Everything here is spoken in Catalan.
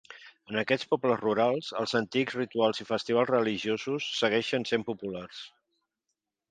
En aquests pobles rurals, els antics rituals i festivals religiosos segueixen sent populars.